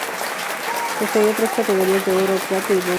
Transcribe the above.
Posee tres categorías de Oro, Plata y Bronce.